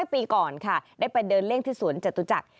ปีก่อนค่ะได้ไปเดินเล่นที่สวนจตุจักร